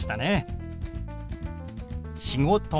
「仕事」。